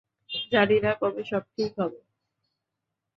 জানি না কবে সব ঠিক হবে।